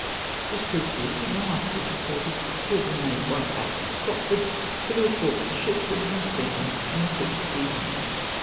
This proved to be a signal, afterwards reported to have been made by Admiral Stopford, for the recall of the ships that had been sent in on the previous evenmg